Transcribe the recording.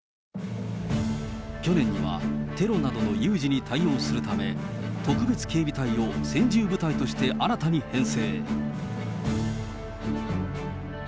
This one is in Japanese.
去年には、テロなどの有事に対応するため、特別警備隊を部隊として新たに編成。